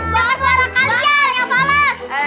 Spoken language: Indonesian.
buat suara kalian yang balas